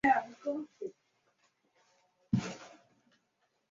种子以爆发传播。